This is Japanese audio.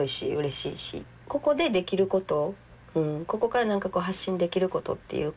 ここで出来ることここから何か発信できることっていうか。